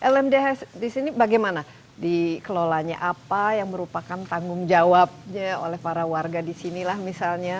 lmdh di sini bagaimana dikelolanya apa yang merupakan tanggung jawabnya oleh para warga di sini lah misalnya